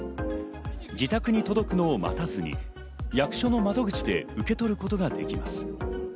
自宅に届くのを待たずに役所の窓口で受け取ることができます。